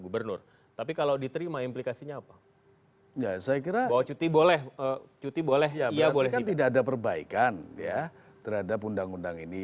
berarti kan tidak ada perbaikan ya terhadap undang undang ini